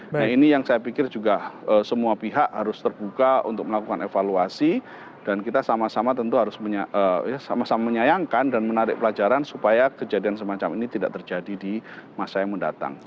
nah ini yang saya pikir juga semua pihak harus terbuka untuk melakukan evaluasi dan kita sama sama tentu harus sama sama menyayangkan dan menarik pelajaran supaya kejadian semacam ini tidak terjadi di masa yang mendatang